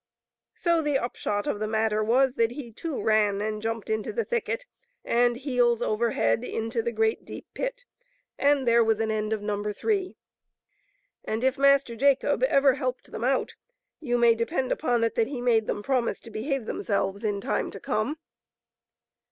So the upshot of the matter was that he too ran and jumped into the thicket, and heels over head into the great, deep pit, and there was an end of number three. And if Master Jacob ever helped them out, you may depend upon it that he made them promise to behave themselves in time to come.